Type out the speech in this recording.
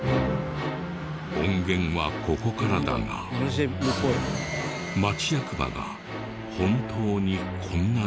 音源はここからだが町役場が本当にこんな時間に？